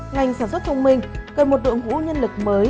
ngành sản xuất thông minh cần một đội ngũ nhân lực mới